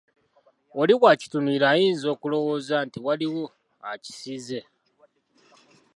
Oli bw'akitunuulira ayinza okulowooza nti, waliwo akisiize.